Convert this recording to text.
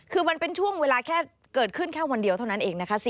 คือมันเป็นช่วงเวลาแค่เกิดขึ้นแค่วันเดียวเท่านั้นเองนะคะ